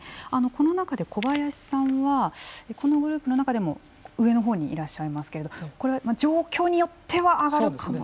この中で、小林さんはこのグループの中でも上のほうにいらっしゃいますけどこれは状況によっては上がるかも。